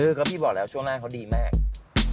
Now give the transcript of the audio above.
เออเพราะพี่บอกแล้วช่วงนั้นเขาดีมาก